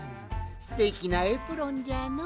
すてきなエプロンじゃのう。